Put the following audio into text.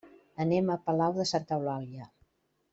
Anem a Palau de Santa Eulàlia.